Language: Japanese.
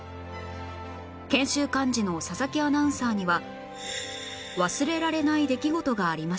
研修幹事の佐々木アナウンサーには忘れられない出来事がありました